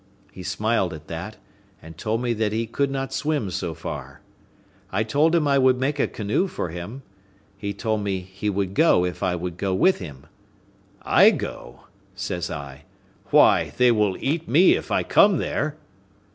He smiled at that, and told me that he could not swim so far. I told him I would make a canoe for him. He told me he would go if I would go with him. "I go!" says I; "why, they will eat me if I come there."